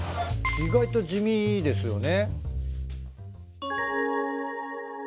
意外と地味ですよね。